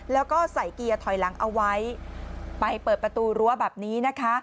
แล้วก็ใส่เกียร์ถอยหลังเอาไว้ไปเปิดประตูรั้วแบบนี้นะคะ